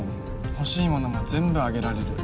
欲しいものも全部あげられる